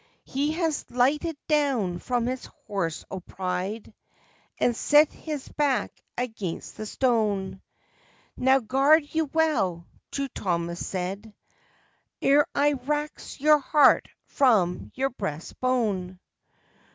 He has lighted down from his horse o' pride, And set his back against the stone. "Now guard you well," True Thomas said, "Ere I rax your heart from your breast bone!"